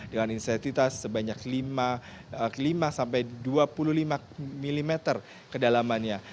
dengan intensitas sebanyak lima sampai dua puluh lima mm kedalamannya